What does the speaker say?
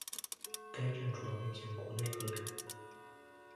该站主要面向国内客流。